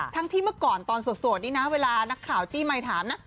ที่เมื่อก่อนตอนโสดนี่นะเวลานักข่าวจี้ไมค์ถามนะ